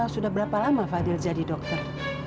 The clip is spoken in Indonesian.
sudah berapa lama fadil jadi dokter